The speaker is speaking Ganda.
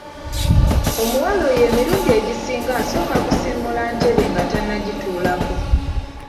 Omuwala oyo emirundi egisinga asooka kusiimuula ntebe nga tannagituulako.